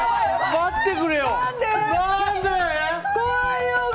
待ってくれよ！